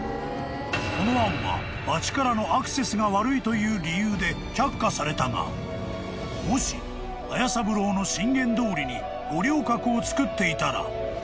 ［この案は町からのアクセスが悪いという理由で却下されたがもし斐三郎の進言どおりに五稜郭を造っていたら］